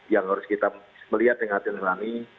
yang harus kita melihat dengan hati nurani